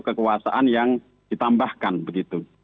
kekuasaan yang ditambahkan begitu